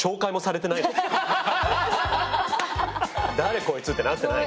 誰こいつってなってない？